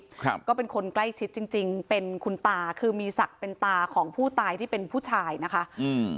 ครับก็เป็นคนใกล้ชิดจริงจริงเป็นคุณตาคือมีศักดิ์เป็นตาของผู้ตายที่เป็นผู้ชายนะคะอืม